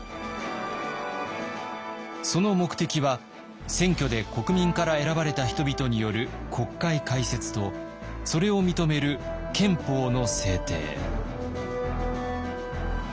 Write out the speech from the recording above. その目的は選挙で国民から選ばれた人々による国会開設とそれを認める憲法の制定。